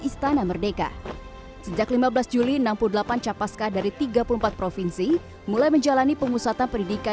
istana merdeka sejak lima belas juli enam puluh delapan capaska dari tiga puluh empat provinsi mulai menjalani pemusatan pendidikan